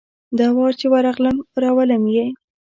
دا وار چي ورغلم ، راولم یې .